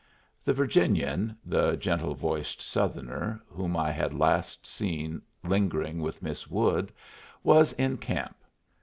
The Virginian, the gentle voiced Southerner, whom I had last seen lingering with Miss Wood, was in camp.